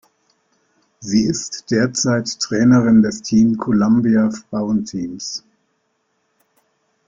Sie ist derzeit Trainerin des Team Columbia Frauenteams.